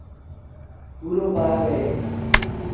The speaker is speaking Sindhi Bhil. ٻرو باگآه اهي۔